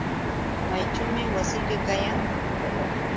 ¿Mayćhuumi wasiyki kayan?